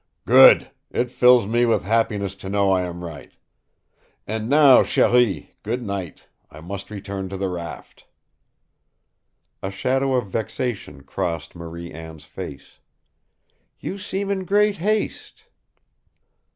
"Good! It fills me with happiness to know I am right. And now, cherie, good night! I must return to the raft." A shadow of vexation crossed Marie Anne's face. "You seem in great haste."